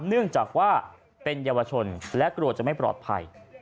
เนื่องจากว่าเป็นเยาวชนและกลัวจะไม่ปลอดภัย